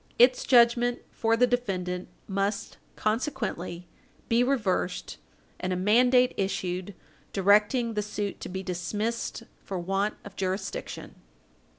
Its judgment for the defendant must, consequently, be reversed, and a mandate issued directing the suit to be dismissed for want of jurisdiction.